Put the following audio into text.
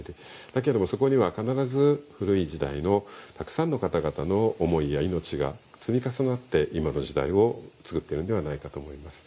だけれども、そこには必ず古い時代のたくさんの方々の思いや命が積み重なって今の時代を積み重なっているのだと思います。